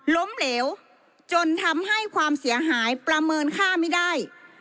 ล้มเหลวจนทำให้ความเสียหายประเมินค่าไม่ได้